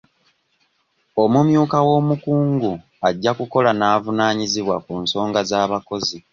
Omumyuka w'omukungu ajja kukola n'avunaanyizibwa ku nsonga z'abakozi.